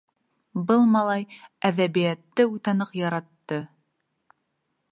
Был малай әҙәбиәтте үтә ныҡ яратты.